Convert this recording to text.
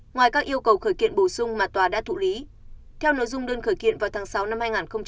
ngoài các yêu cầu khởi kiện bổ sung mà tòa đã thụ lý theo nội dung đơn khởi kiện vào tháng sáu năm hai nghìn hai mươi